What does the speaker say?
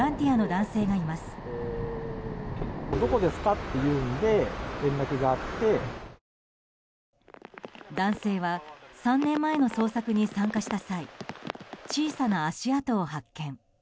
男性は３年前の捜索に参加した際小さな足跡を発見。